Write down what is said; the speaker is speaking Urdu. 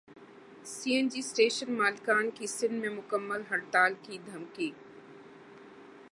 سی این جی اسٹیشن مالکان کی سندھ میں مکمل ہڑتال کی دھمکی